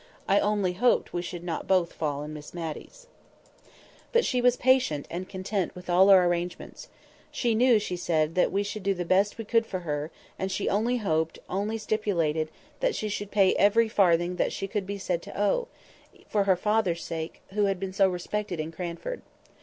I only hoped we should not both fall in Miss Matty's. But she was patient and content with all our arrangements. She knew, she said, that we should do the best we could for her; and she only hoped, only stipulated, that she should pay every farthing that she could be said to owe, for her father's sake, who had been so respected in Cranford.